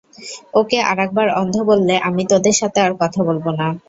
ওকে আরেকবার অন্ধ বললে আমি তোদের সাথে আর কথা বলব না!